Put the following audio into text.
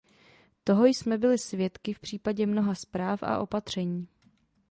Toho jsme byli svědky v případě mnoha zpráv a opatření.